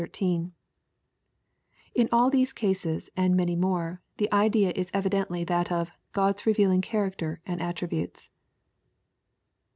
— In all these cases, and many more, the idea is evidently that of " Grod'a revealed character and attributes."